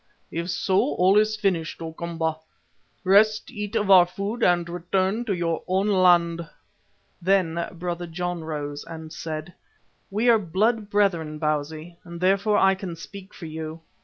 "If so, all is finished, O Komba. Rest, eat of our food and return to your own land." Then Brother John rose and said: "We are blood brethren, Bausi, and therefore I can speak for you.